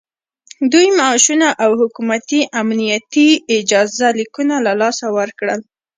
دوی معاشونه او حکومتي امنیتي اجازه لیکونه له لاسه ورکړل